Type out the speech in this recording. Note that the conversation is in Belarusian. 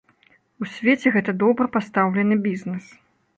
У свеце гэта добра пастаўлены бізнес.